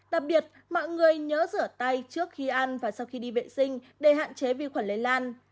đặc biệt mọi người nhớ rửa tay trước khi ăn và sau khi đi vệ sinh để hạn chế vi khuẩn lây lan